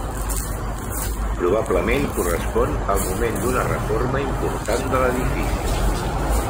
Probablement correspon al moment d'una reforma important de l'edifici.